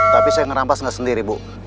tapi saya ngerampas nggak sendiri bu